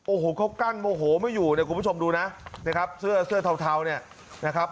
โอ้โหเขากั้นโมโหไม่อยู่เนี่ยคุณผู้ชมดูนะนะครับเสื้อเสื้อเทาเนี่ยนะครับ